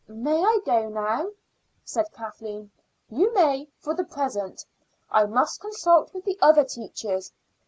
"May I go now?" said Kathleen. "You may for the present. I must consult with the other teachers.